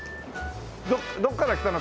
どこから来たの？